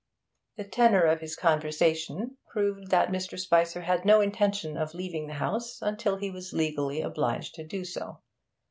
The tenor of his conversation proved that Mr. Spicer had no intention of leaving the house until he was legally obliged to do so.